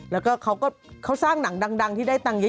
แล้วก็เขาก็เขาสร้างหนังดังที่ได้ตังค์เยอะ